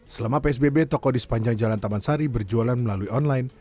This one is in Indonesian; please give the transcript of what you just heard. selama psbb toko di sepanjang jalan taman sari berjualan melalui online